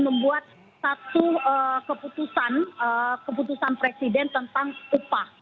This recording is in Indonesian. membuat satu keputusan keputusan presiden tentang upah